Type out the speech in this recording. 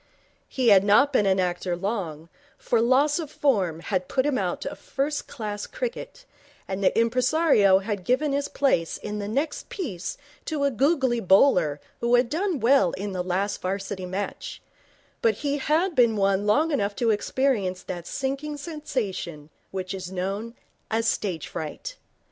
He had not been an actor long, for loss of form had put him out of first class cricket, and the impresario had given his place in the next piece to a googly bowler who had done well in the last Varsity match; but he had been one long enough to experience that sinking sensation which is known as stage fright.